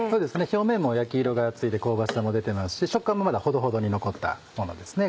表面も焼き色がついて香ばしさも出てますし食感もまだほどほどに残ったものですね